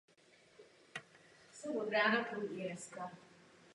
Domnívám se, že tyto diskuse mohou docela dobře probíhat současně.